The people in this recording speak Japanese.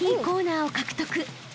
コーナーを獲得］